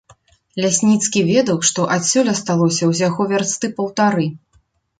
Лясніцкі ведаў, што адсюль асталося ўсяго вярсты паўтары.